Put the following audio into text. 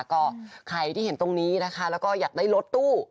ใครที่เห็นตรงนี้นะคะอยากได้รถตู้